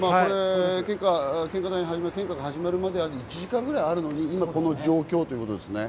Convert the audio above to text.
献花台に始まるまで１時間ぐらいあるのに今この状況ということですね。